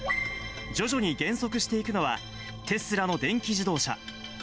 徐々に減速していくのは、テスラの電気自動車。